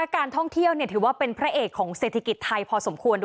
การท่องเที่ยวถือว่าเป็นพระเอกของเศรษฐกิจไทยพอสมควร